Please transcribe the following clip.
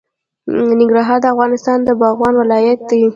ننګرهار د افغانستان د باغونو ولایت دی.